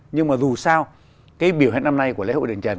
nhưng mà dù sao cái biểu hiện năm nay của lễ hội đền trần